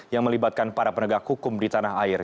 yang melibatkan para penegak hukum di tanah air